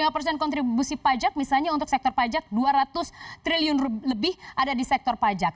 lima puluh persen kontribusi pajak misalnya untuk sektor pajak dua ratus triliun lebih ada di sektor pajak